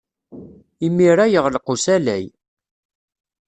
Imir-a, yeɣleq usalay.